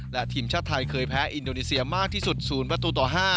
และทีมชาติไทยเคยแพ้อินโดนีเซียมากที่สุด๐ประตูต่อ๕